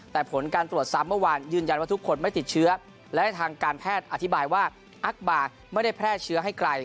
แต่ผลการตรวจซ้ำเมื่อวานยืนยันว่าทุกคนไม่ติดเชื้อและทางการแพทย์อธิบายว่าอักบาร์ไม่ได้แพร่เชื้อให้ไกล